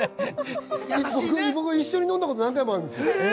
僕一緒に飲んだこと何回もあるんですよ。